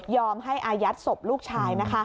ยอมให้อายัดศพลูกชายนะคะ